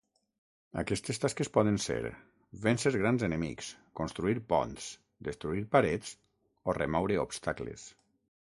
Aquestes tasques poden ser: vèncer grans enemics, construir ponts, destruir parets o remoure obstacles.